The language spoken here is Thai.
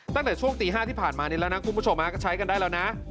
ตั้งแต่ช่วงตี๕ที่ผ่านมานี้แล้วนะคุณผู้ชมก็ใช้กันได้แล้วนะ